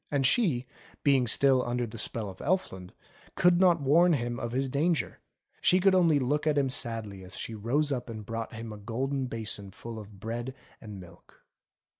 And she, being still under the spell of Elfland could not warn him of his danger ; she could only look at him sadly as she rose up and brought him a golden basin full of bread and milk.